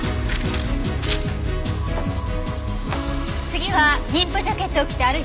次は妊婦ジャケットを着て歩いてみて。